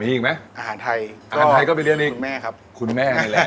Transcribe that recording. มีอีกไหมอาหารไทยอาหารไทยก็ไปเลี้ยแม่ครับคุณแม่นี่แหละ